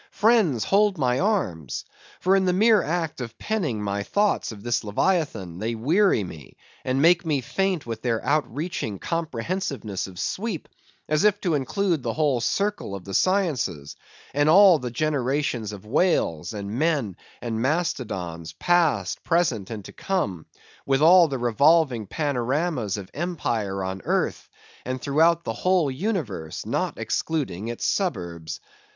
Friends, hold my arms! For in the mere act of penning my thoughts of this Leviathan, they weary me, and make me faint with their outreaching comprehensiveness of sweep, as if to include the whole circle of the sciences, and all the generations of whales, and men, and mastodons, past, present, and to come, with all the revolving panoramas of empire on earth, and throughout the whole universe, not excluding its suburbs.